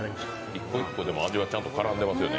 一個一個、味はちゃんと絡んでますよね。